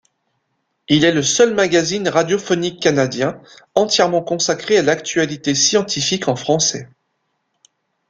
Il est le seul magazine radiophonique canadien entièrement consacré à l'actualité scientifique en français.